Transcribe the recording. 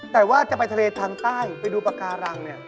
แต่ว่าจะไปทะเลทางใต้ไปดูปากการังเนี่ย